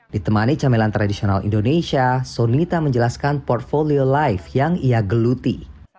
ditemani camilan tradisional indonesia sonita menjelaskan portfolio life yang ia geluti